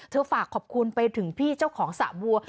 ฝากขอบคุณไปถึงพี่เจ้าของสระบัว